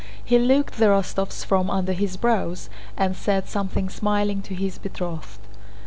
He looked at the Rostóvs from under his brows and said something, smiling, to his betrothed.